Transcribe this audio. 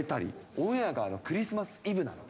オンエアがクリスマス・イブなんで。